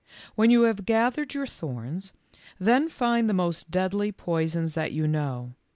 When you have gathered your thorns, then find the most deadly poisons that you know.